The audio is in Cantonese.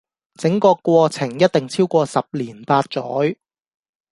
整個過程一定超過十年八載